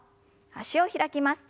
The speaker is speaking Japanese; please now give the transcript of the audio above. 脚を開きます。